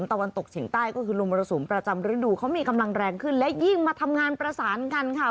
ตะวันตกเฉียงใต้ก็คือลมมรสุมประจำฤดูเขามีกำลังแรงขึ้นและยิ่งมาทำงานประสานกันค่ะ